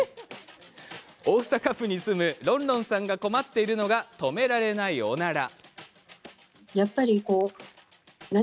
大阪府に住むロンロンさんが困っているのが止められない、おなら。